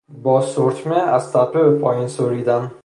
با سورتمه از تپه به پایین سریدن